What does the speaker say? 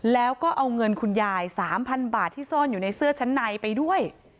แล้วก็เอาเงินคุณยาย๓๐๐๐บาทที่ซ่อนอยู่ในเสื้อชั้นในไปด้วย